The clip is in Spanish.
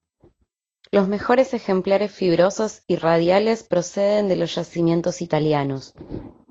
Los mejores ejemplares fibrosos y radiales proceden de los yacimientos italianos.